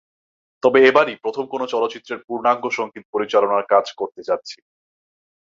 তবে এবারই প্রথম কোনো চলচ্চিত্রের পূর্ণাঙ্গ সংগীত পরিচালনার কাজ করতে যাচ্ছি।